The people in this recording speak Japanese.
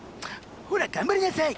ほら頑張りなさい。